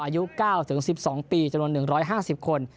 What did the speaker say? อายุ๙๑๒ปีจำนวน๑๕๐คน